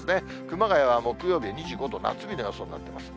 熊谷は木曜日２５度、夏日の予想になってます。